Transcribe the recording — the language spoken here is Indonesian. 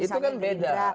itu kan beda